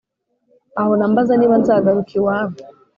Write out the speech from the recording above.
ahora ambaza niba nzagaruka iwabo